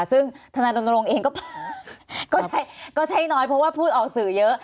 ซึ่งธนดนตรงเองก็ใช้น้อยเพราะพูดออกสื่อเยอะ